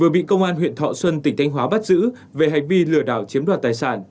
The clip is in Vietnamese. vừa bị công an huyện thọ xuân tỉnh thanh hóa bắt giữ về hành vi lừa đảo chiếm đoạt tài sản